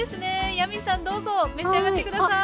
ヤミーさんどうぞ召し上がってください。